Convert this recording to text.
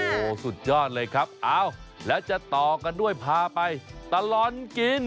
โอ้โหสุดยอดเลยครับเอ้าแล้วจะต่อกันด้วยพาไปตลอดกิน